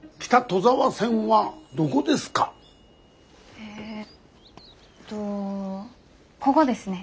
えっとこごですね。